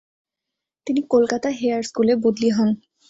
তিনি কলকাতা হেয়ার স্কুলে বদলী হন।